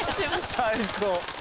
最高。